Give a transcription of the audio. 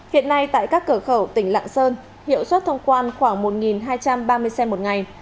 hiện nay tại các cửa khẩu tỉnh lạng sơn hiệu suất thông quan khoảng một hai trăm ba mươi xe một ngày